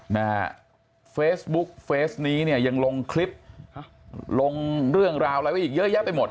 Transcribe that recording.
นะฮะเฟซบุ๊กเฟสนี้เนี่ยยังลงคลิปลงเรื่องราวอะไรไว้อีกเยอะแยะไปหมด